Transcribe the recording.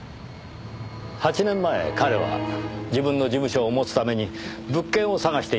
８年前彼は自分の事務所を持つために物件を探していました。